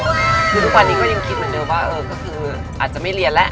คือทุกวันนี้ก็ยังคิดเหมือนเดิมว่าเออก็คืออาจจะไม่เรียนแล้ว